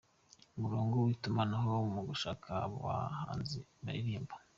Umurongo witumanaho mu gufasha abahanzi baririmba